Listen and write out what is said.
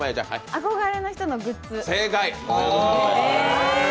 憧れの人のグッズ。